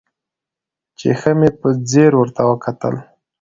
چې ښه مې په ځير ورته وکتل.